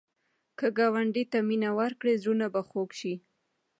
که ګاونډي ته مینه ورکړې، زړونه به خوږ شي